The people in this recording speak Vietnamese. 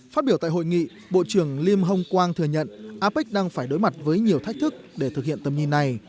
phát biểu tại hội nghị bộ trưởng lim hong kwang thừa nhận apec đang phải đối mặt với nhiều thách thức để thực hiện tầm nhìn này